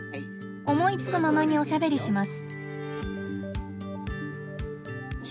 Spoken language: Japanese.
思いつくままにおしゃべりします。